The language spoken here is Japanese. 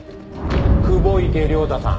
久保池良太さん。